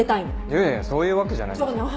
いやいやそういうわけじゃないですけど。